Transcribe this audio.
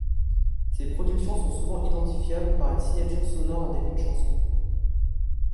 Ses productions sont souvent identifiables par une signature sonore en début de chanson.